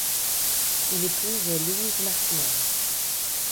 Il épouse Louise Martinel.